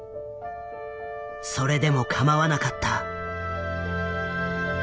それでもかまわなかった。